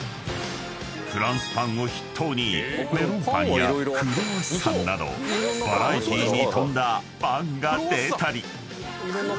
［フランスパンを筆頭にメロンパンやクロワッサンなどバラエティーに富んだパンが出たり］